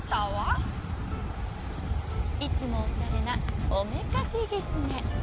「いつもおしゃれなおめかしギツネ。